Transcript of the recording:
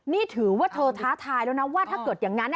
นี่ถือว่าเธอท้าทายแล้วนะว่าถ้าเกิดอย่างนั้น